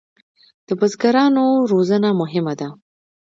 د بزګرانو روزنه مهمه ده